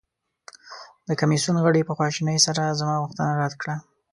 د کمیسیون غړي په خواشینۍ سره زما غوښتنه رد کړه.